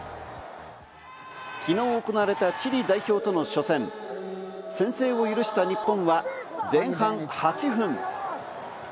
きのう行われたチリ代表との初戦、先制を許した日本は前半８分。